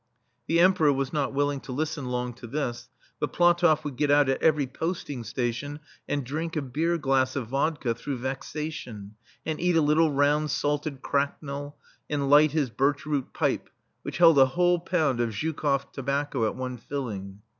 TheEmperor was not willing to listen long to this, but Platoff would get out at every posting station, and drink a beer glass of vodka through vexation, and eat a little round salted cracknel, and light his birch root pipe, which held a whole pound of Zhukoff tobacco at one filling.